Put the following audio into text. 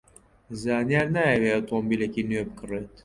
زانیار نایەوێت ئۆتۆمۆبیلێکی نوێ بکڕێت.